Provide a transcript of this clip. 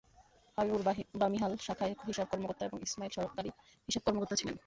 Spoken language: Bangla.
হাবিবুর বামিহাল শাখায় হিসাব কর্মকর্তা এবং ইসমাইল সহকারী হিসাব কর্মকর্তা ছিলেন।